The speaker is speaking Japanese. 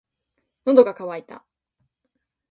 喉が渇いた。